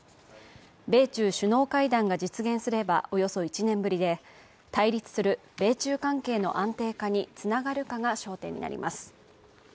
米中首脳会談が実現すれば、およそ１年ぶりで対立する米中関係の安定化につながるがか焦点になります。